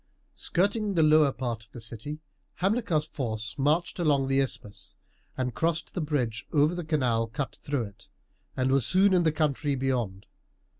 Skirting the lower part of the city, Hamilcar's force marched along the isthmus and crossed the bridge over the canal cut through it, and was soon in the country beyond.